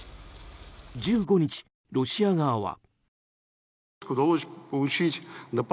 １５日、ロシア側は。